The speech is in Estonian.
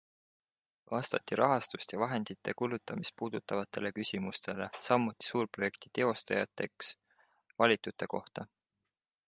Vastati rahastust ja vahendite kulutamist puudutavatele küsimustele, samuti suurprojekti teostajateks valitute kohta.